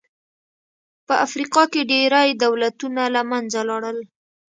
په افریقا کې ډېری دولتونه له منځه لاړل.